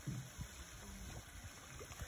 Qachondir, kimdandir eshitgani bor edi